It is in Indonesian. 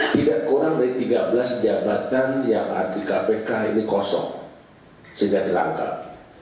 tidak kurang dari tiga belas pejabatan yang anti kpk ini kosong sehingga dilangkap